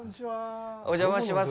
お邪魔します。